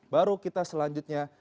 baru kita selanjutnya